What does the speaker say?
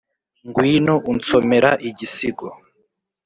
ngwino, unsomera igisigo,